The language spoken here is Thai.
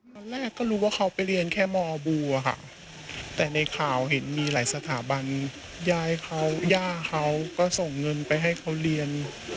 ตอนแรกก็รู้ว่าเขาไปเรียนแค่มบูอะค่ะแต่ในข่าวเห็นมีหลายสถาบันยายเขาย่าเขาก็ส่งเงินไปให้เขาเรียน